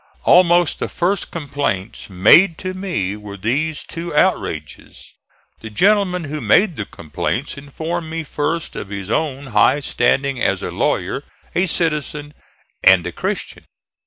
Almost the first complaints made to me were these two outrages. The gentleman who made the complaints informed me first of his own high standing as a lawyer, a citizen and a Christian.